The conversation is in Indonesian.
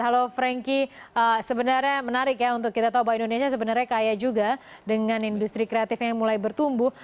halo frankie sebenarnya menarik ya untuk kita tahu bahwa indonesia sebenarnya kaya juga dengan industri kreatif yang mulai bertumbuh